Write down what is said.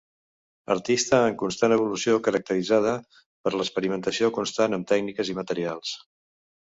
Artista en constant evolució, caracteritzada per l'experimentació constant amb tècniques i materials.